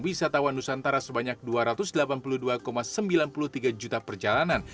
wisatawan nusantara sebanyak dua ratus delapan puluh dua sembilan puluh tiga juta perjalanan